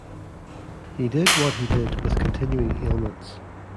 He did what he did with continuing ailments.